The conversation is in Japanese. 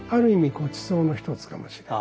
ごちそうの一つかもしれない。